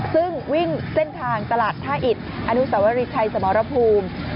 ซึ่งวิ่งเส้นทางตลาดท่าอิดอนุสวรีชัยสมรภูมิ